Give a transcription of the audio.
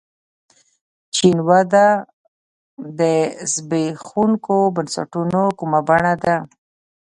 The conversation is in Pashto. چین وده د زبېښونکو بنسټونو کومه بڼه ده.